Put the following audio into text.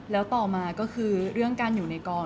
แล้วต่อมาก็คือเรื่องการอยู่ในกอง